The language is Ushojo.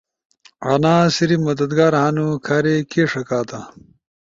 انا صرف مددگار ہنو، کھارے کے ݜکاتا۔